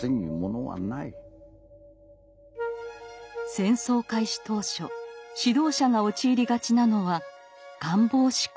戦争開始当初指導者が陥りがちなのは「願望思考」。